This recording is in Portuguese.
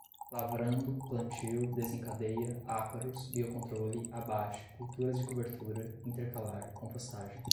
lavrando, plantio, desencadeia, ácaros, biocontrole, abate, culturas de cobertura, intercalar, compostagem